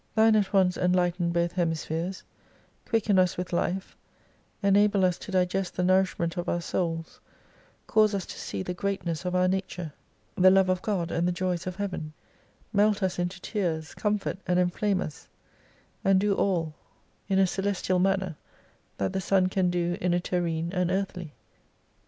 Thine at once enlighten both hemispheres : quicken us with life, enable us to digest the nourishment of our Souls, cause us to see the greatness of ournature, the Love of God, and the joys of heaven : melt us into tears, comfort and enflame us, and do aU in a celestial 65 manner, that the Sun can do in a terrene and earthly.